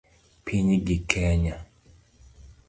Pinygi Kenya